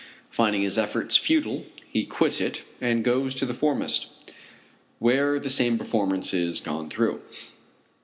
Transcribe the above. Finding his efforts futile, he quits it and goes to the foremast, where the same performance is gone through.